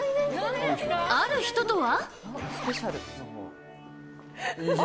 ある人とは？